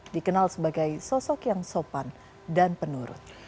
dikenal sebagai sosok yang sopan dan penurut